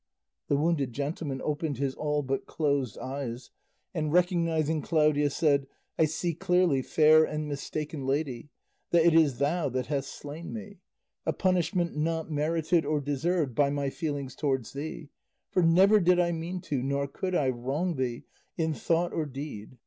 The wounded gentleman opened his all but closed eyes, and recognising Claudia said, "I see clearly, fair and mistaken lady, that it is thou that hast slain me, a punishment not merited or deserved by my feelings towards thee, for never did I mean to, nor could I, wrong thee in thought or deed."